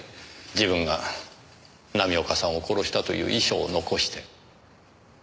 自分が浪岡さんを殺したという遺書を残して。